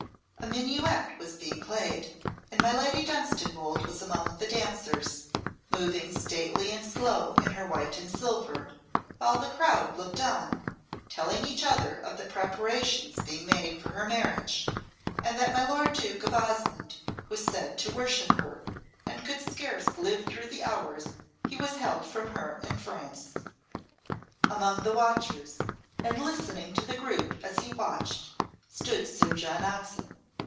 A minuet was being played, and my Lady Dunstanwolde was among the dancers, moving stately and slow in her white and silver, while the crowd looked on, telling each other of the preparations being made for her marriage, and that my lord Duke of Osmonde was said to worship her, and could scarce live through the hours he was held from her in France. Among the watchers, and listening to the group as he watched, stood Sir John Oxon.